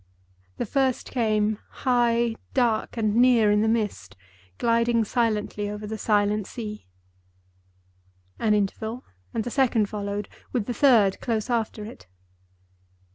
The first came, high, dark and near in the mist, gliding silently over the silent sea. An interval—and the second followed, with the third close after it.